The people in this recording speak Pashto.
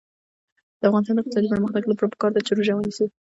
د افغانستان د اقتصادي پرمختګ لپاره پکار ده چې روژه ونیسو.